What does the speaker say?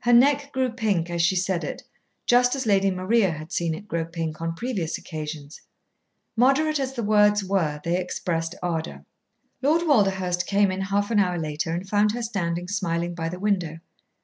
Her neck grew pink as she said it, just as Lady Maria had seen it grow pink on previous occasions. Moderate as the words were, they expressed ardour. Lord Walderhurst came in half an hour later and found her standing smiling by the window.